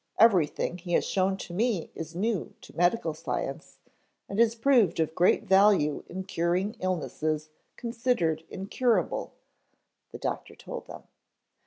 Everything he has shown to me is new to medical science, and has proved of great value in curing illnesses considered incurable," the doctor told them.